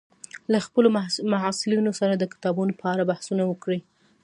له خپلو محصلینو سره د کتابونو په اړه بحثونه وکړئ